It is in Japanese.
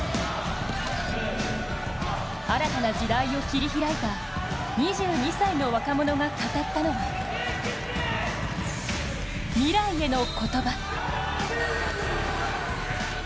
新たな時代を切りひらいた２２歳の若者が語ったのは未来への言葉。